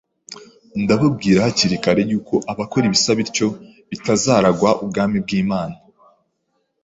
Ndababwira hakiri kare, yuko abakora ibisa bityo batazaragwa ubwami bw'Imana.